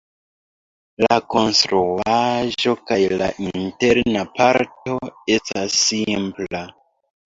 La konstruaĵo kaj la interna parto estas simpla.